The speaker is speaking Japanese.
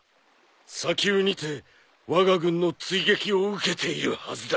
砂丘にてわが軍の追撃を受けているはずだ。